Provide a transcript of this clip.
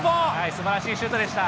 すばらしいシュートでした。